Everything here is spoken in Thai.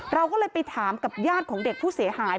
เราก็เลยไปถามกับญาติของเด็กผู้เสียหาย